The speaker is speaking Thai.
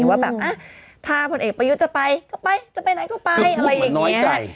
ว่าแบบถ้าพลเอกประยุทธ์จะไปก็ไปจะไปไหนก็ไปอะไรอย่างนี้